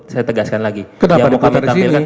saya tegaskan lagi